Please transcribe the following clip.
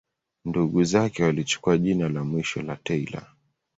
Ndugu zake walichukua jina la mwisho la Taylor.